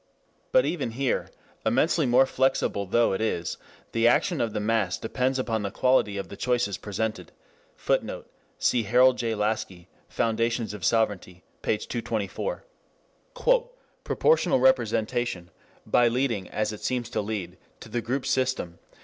But even here, immensely more flexible though it is, the action of the mass depends upon the quality of the choices presented. [Footnote: Cf. H. J. Laski, Foundations of Sovereignty, p. 224. "... proportional representation... by leading, as it seems to lead, to the group system...